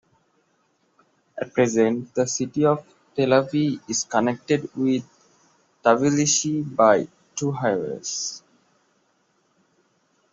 At present, the city of Telavi is connected with Tbilisi by two highways.